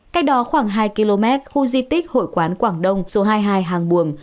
cách đó khoảng hai km khu di tích hội quán quảng đông số hai mươi hai hàng buồm